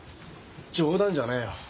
冗談じゃねえよ。